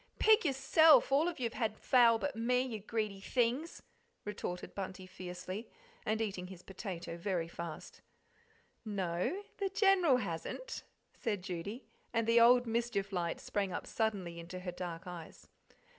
"Pig yourself all of you've had fowl but me, you greedy things!" retorted Bunty fiercely, and eating up his potato very fast. "No, the General hasn't," said Judy and the old mischief light sprang up suddenly into her dark eyes.